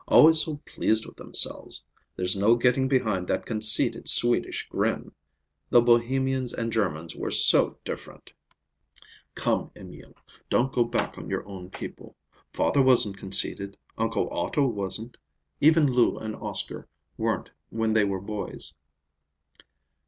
Always so pleased with themselves! There's no getting behind that conceited Swedish grin. The Bohemians and Germans were so different." "Come, Emil, don't go back on your own people. Father wasn't conceited, Uncle Otto wasn't. Even Lou and Oscar weren't when they were boys."